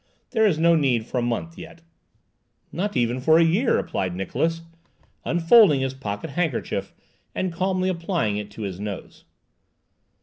There is no need for a month yet." "Nor even for a year," replied Niklausse, unfolding his pocket handkerchief and calmly applying it to his nose.